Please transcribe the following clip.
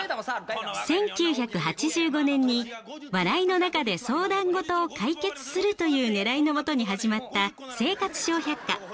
１９８５年に「笑いの中で相談事を解決する」というねらいのもとに始まった「生活笑百科」。